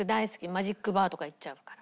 マジックバーとか行っちゃうから。